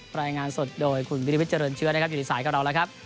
รายงานสดโดยคุณวิริวิทเจริญเชื้อนะครับอยู่ในสายกับเราแล้วครับ